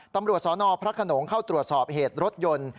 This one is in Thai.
ตำรวจสนพระขนงเข้าตรวจสอบเหตุรถยนต์